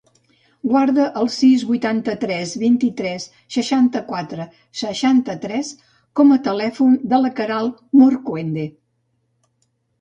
Guarda el sis, vuitanta-tres, vint-i-tres, seixanta-quatre, seixanta-tres com a telèfon de la Queralt Morcuende.